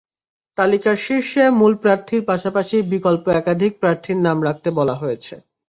তালিকার শীর্ষে মূল প্রার্থীর পাশাপাশি বিকল্প একাধিক প্রার্থীর নাম রাখতে বলা হয়েছে।